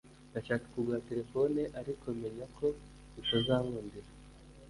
Ndashaka kugura telephone… ariko menya ko bitazankundira.